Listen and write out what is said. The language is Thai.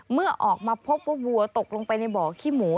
เมื่อออกมาพบว่าวัวตกลงไปในบ่อขี้หมู